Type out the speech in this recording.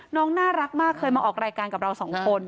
น่ารักมากเคยมาออกรายการกับเราสองคน